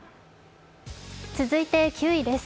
続いて９位です。